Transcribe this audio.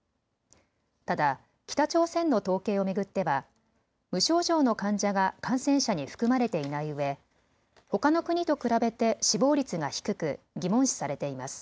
ただ北朝鮮の統計を巡っては無症状の患者が感染者に含まれていないうえ、ほかの国と比べて死亡率が低く疑問視されています。